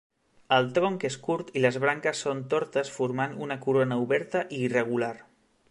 El tronc és curt i les branques són tortes formant una corona oberta i irregular.